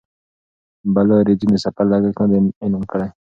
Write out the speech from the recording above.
بلو اوریجن د سفر لګښت نه دی اعلان کړی.